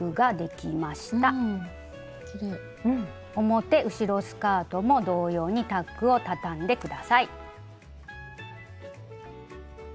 表後ろスカートも同様にタックをたたんで下さい。